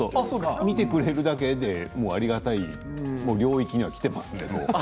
見てくれるだけでありがたい領域にはきていますね。